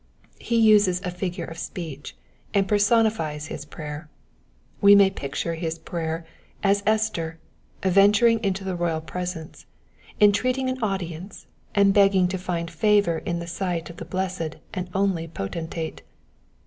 He uses a figure of speech and personifies his prayer. We may picture his prayer as Esther, venturing into the royal presence, entreating an audience, and begging to find favour in the sight of the blessed and only Potentate.